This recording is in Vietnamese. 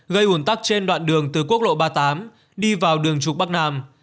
gây ủn tắc trên đoạn đường từ quốc lộ ba mươi tám đi vào đường trục bắc nam